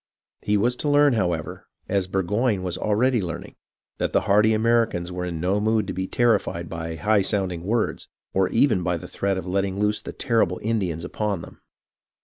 He was to learn, however, as Burgoyne was already learning, that the hardy Americans were in no mood to be terrified by high sounding words, or even by the threat of letting loose the terrible Indians upon them.